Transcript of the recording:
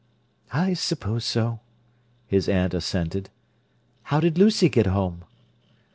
"I suppose so," his aunt assented. "How did Lucy get home?"